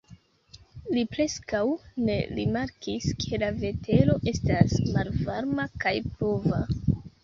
Li preskaŭ ne rimarkis, ke la vetero estas malvarma kaj pluva.